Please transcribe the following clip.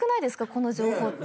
この情報って。